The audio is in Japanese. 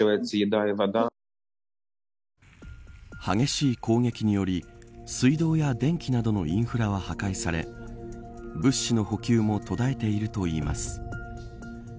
激しい攻撃により水道や電気などのインフラは破壊され物資の補給も途絶えているといいます。